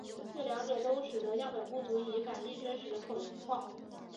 这两者都使得样本不足以反映真实人口的情况。